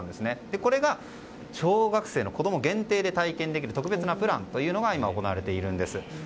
これが小学生の子供限定で体験できる特別なプランが今、行われているんです。